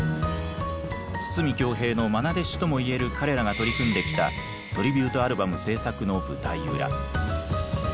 筒美京平のまな弟子とも言える彼らが取り組んできたトリビュートアルバム制作の舞台裏。